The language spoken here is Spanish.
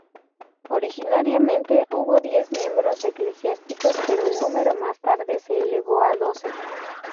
Originariamente, hubo diez miembros eclesiásticos, pero el número más tarde se elevó a doce.